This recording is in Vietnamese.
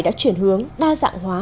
đã chuyển hướng đa dạng hóa